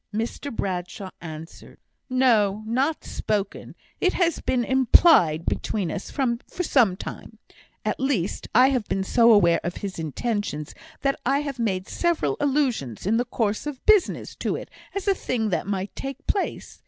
Mr Bradshaw answered, "No, not spoken. It has been implied between us for some time. At least, I have been so aware of his intentions that I have made several allusions, in the course of business, to it, as a thing that might take place.